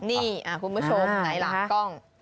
นี่คุณผู้ชมไหนล่ะกล้อง